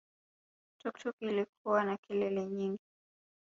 Tuktuk ilikuwa na kelele nyingi